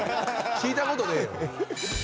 聞いた事ねえよ。